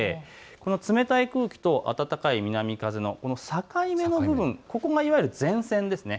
この冷たい空気と、暖かい南風と境目の部分、ここが前線です。